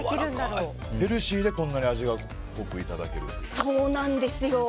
ヘルシーでこんなに味が濃くいただける。